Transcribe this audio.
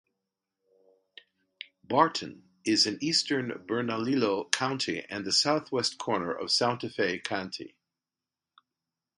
Barton is in eastern Bernalillo County and the southwest corner of Santa Fe County.